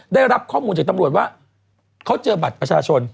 ได้รับข้อมูลจากตำรวจว่าเขาเจอบัตรประชาชน